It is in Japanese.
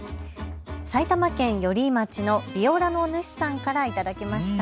埼玉県寄居町のビオラの主さんから頂きました。